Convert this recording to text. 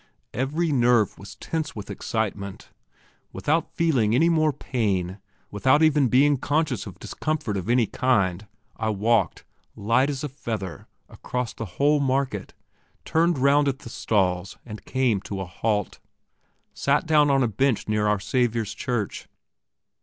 Every nerve was tense with excitement. Without feeling any more pain, without even being conscious of discomfort of any kind, I walked, light as a feather, across the whole market, turned round at the stalls, and came to a halt sat down on a bench near Our Saviour's Church.